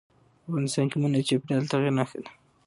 افغانستان کې منی د چاپېریال د تغیر نښه ده.